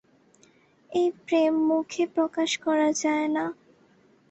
এই প্রেম মুখে প্রকাশ করা যায় না।